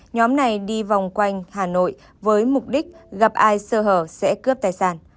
nhóm này đi vòng quanh hà nội với mục đích gặp ai sơ hở sẽ cướp tài sản